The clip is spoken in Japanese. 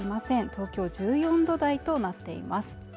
東京１４度台となっています